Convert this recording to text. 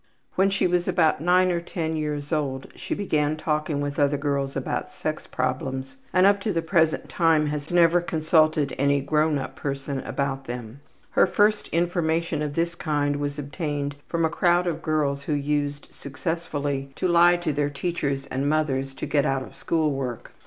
When she was about 9 or 10 years old she began talking with other girls about sex problems and up to the present time has never consulted any grown person about them. Her first information of this kind was obtained from a crowd of girls who used successfully to lie to their teachers and mothers to get out of school work.